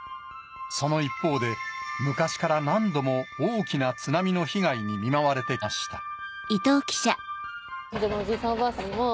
その一方で昔から何度も大きな津波の被害に見舞われて来ました。